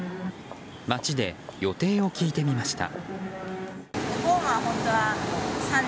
街で予定を聞いてみました。